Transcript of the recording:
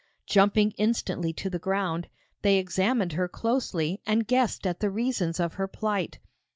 Jumping instantly to the ground, they examined her closely and guessed at the reasons of her plight.